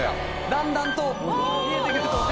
だんだんと見えてくる姿が。